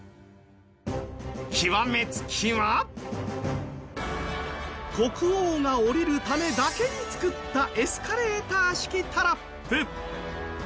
極め付きは国王が降りるためだけに作ったエスカレーター式タラップ。